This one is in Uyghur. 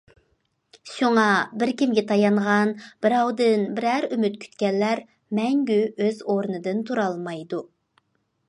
شۇڭا بىر كىمگە تايانغان، بىراۋدىن بىرەر ئۈمىد كۈتكەنلەر مەڭگۈ ئۆز ئورنىدىن تۇرالمايدۇ.